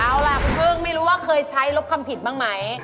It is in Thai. เอาล่ะคุณพึ่งไม่รู้ว่าเคยใช้ลบคำผิดบ้างไหม